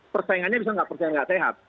persaingannya bisa nggak persaingan nggak sehat